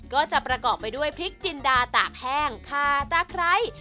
ก็จะประกอบไปด้วยพริกจินดาตากแห้งคาตาไคร้